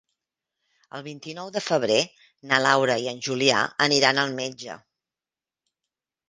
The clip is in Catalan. El vint-i-nou de febrer na Laura i en Julià aniran al metge.